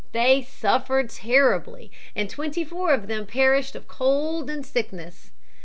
They suffered terribly, and twenty four of them perished of cold and sickness.